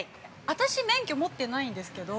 ◆私免許持ってないんですけど。